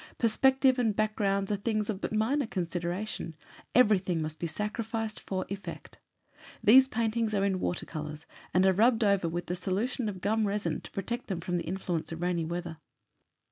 Perspective and back grounds are things but of minor consideration, everything must be sacrificed for effect. These paintings are in water colours, and are rubbed over with a solution of gum resin to protect them from the influence of rainy weather.